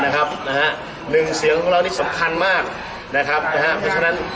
นะครับนะฮะหนึ่งเสียงของเรานี่สำคัญมากนะครับนะฮะเพราะฉะนั้น